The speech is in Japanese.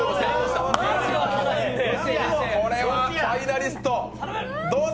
これはファイナリスト、どうだ？